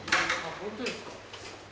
本当ですか？